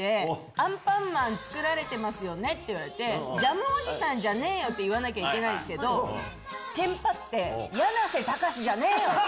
「アンパンマン作られてますよね」って言われてジャムおじさんじゃねえよ！って言わなきゃいけないんすけどテンパって。